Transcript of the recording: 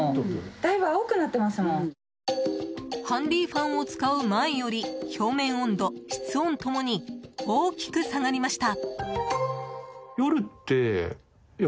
ハンディーファンを使う前より表面温度、室温共に大きく下がりました。